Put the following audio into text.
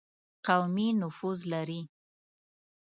قومي نفوذ لري.